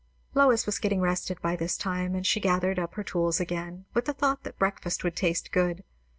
Lois was getting rested by this time, and she gathered up her tools again, with the thought that breakfast would taste good.